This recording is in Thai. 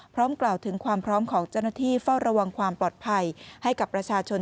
พร้อมกล่าวถึงความพร้อมของเจ้าหน้าที่เฝ้าระวังความปลอดภัยให้กับประชาชน